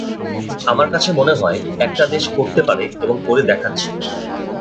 আমার কাছে মনে হয়, একটা দেশ করতে পারে এবং করে দেখাচ্ছে।